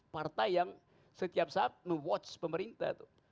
partai yang setiap saat me watch pemerintah